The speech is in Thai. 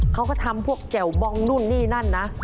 เขาก็ทำพวกแจ่วบองนู่นนี่นั่นนะ